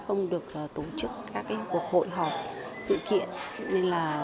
không được tổ chức các cuộc hội họp sự kiện